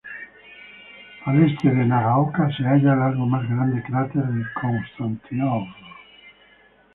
Al este de Nagaoka se halla el algo más grande cráter Konstantinov.